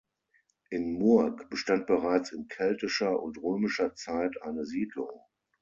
In Murg bestand bereits in keltischer und römischer Zeit eine Siedlung.